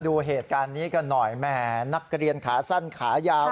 ดูเหตุการณ์นี้กันหน่อยแหมนักเรียนขาสั้นขายาว